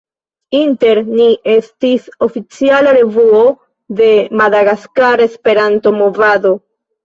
Inter Ni estis oficiala revuo de madagaskara Esperanto-movado.